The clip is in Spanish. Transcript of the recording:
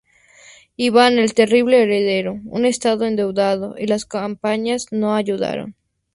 Iván el Terrible heredó un estado endeudado, y las campañas no ayudaron.